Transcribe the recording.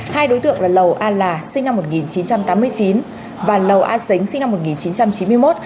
hai đối tượng là lầu a là sinh năm một nghìn chín trăm tám mươi chín và lầu a xính sinh năm một nghìn chín trăm chín mươi một